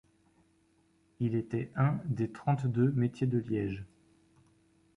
Il était un des trente-deux métiers de Liège.